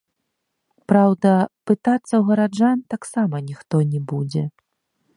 Праўда, пытацца ў гараджан таксама ніхто не будзе.